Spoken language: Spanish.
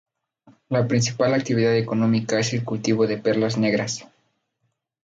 La principal actividad económica es el cultivo de perlas negras.